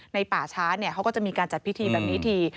ป่าช้าเขาก็จะมีการจัดพิธีแบบนี้ที